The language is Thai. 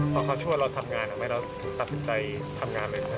พอเขาช่วยเราทำงานทำให้เราตัดสินใจทำงานเลยครับ